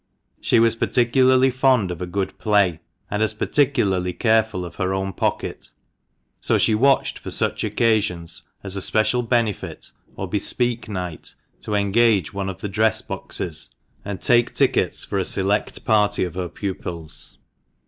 She was particularly fond of a good play, and as particularly careful of her own pocket. So she watched for such occasions as a special benefit or "Bespeak ' night, to engage one of the dress boxes, and take tickets for a select party of her pupils.